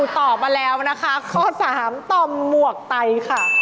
ตอบมาแล้วนะคะข้อ๓ต่อมหมวกไตค่ะ